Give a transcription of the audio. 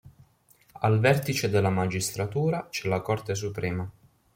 Al vertice della Magistratura c'è la Corte suprema.